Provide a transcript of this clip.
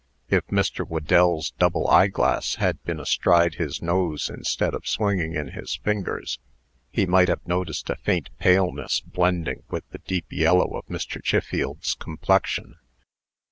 If Mr. Whedell's double eyeglass had been astride his nose instead of swinging in his fingers, he might have noticed a faint paleness blending with the deep yellow of Mr. Chiffield's complexion.